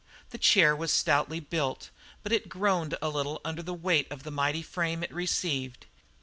The chair was stoutly built, but it groaned a little under the weight of the mighty frame it received.